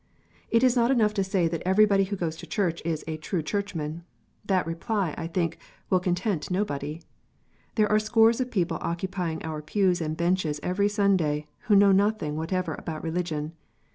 It is not enough to say that everybody who goes to church is a " true Churchman." That reply, I think, will content nobody. There are scores of people occupying our pews and benches every Sunday, who know nothing whatever about religion.